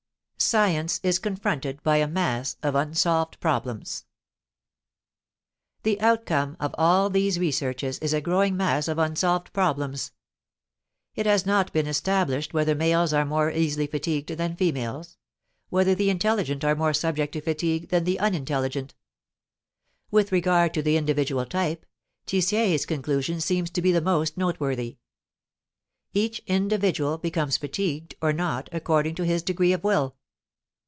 =Science is confronted by a mass of unsolved problems=. The outcome of all these researches is a growing mass of unsolved problems. It has not been established whether males are more easily fatigued than females; whether the intelligent are more subject to fatigue than the unintelligent. With regard to the individual type, Tissié's conclusion seems to be the most noteworthy: "Each individual becomes fatigued or not according to his degree of will."